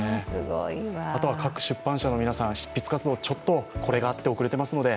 あとは各出版社の皆さん、執筆活動、これがあって遅れてますので